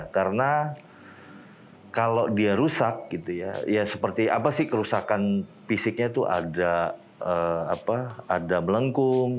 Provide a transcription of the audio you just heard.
karena kalau dia rusak gitu ya seperti apa sih kerusakan fisiknya itu ada melengkung